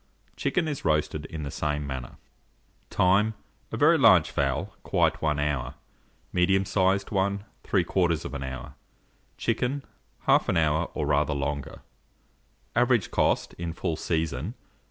Chicken is roasted in the same manner. Time. A very large fowl, quite 1 hour, medium sized one 3/4 hour, chicken 1/2 hour, or rather longer. Average cost, in full season, 5s.